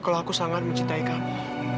kalau aku sangat mencintai kami